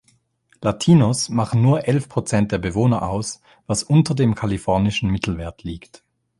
Latinos machen nur elf Prozent der Bewohner aus, was unter dem kalifornischen Mittelwert liegt.